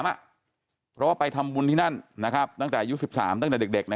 เพราะว่าไปทำบุญที่นั่นตั้งแต่อายุ๑๓ตั้งแต่เด็ก